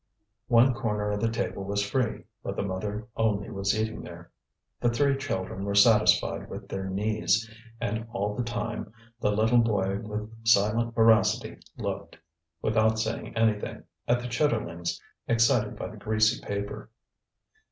One corner of the table was free; but the mother only was eating there. The three children were satisfied with their knees; and all the time the little boy with silent voracity looked, without saying anything, at the chitterlings, excited by the greasy paper.